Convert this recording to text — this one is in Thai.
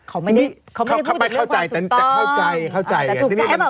เขาไม่ได้พูดถึงเรื่องความถูกต้องแต่เข้าใจอย่างนี้มันแต่ถูกใจหรือเปล่าไม่รู้